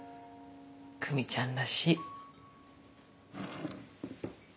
久美ちゃんらしい。